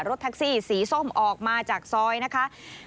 รถแท็กซี่สีส้มออกมาจากซอยนะคะ